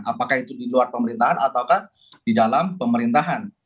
apakah itu di luar pemerintahan ataukah di dalam pemerintahan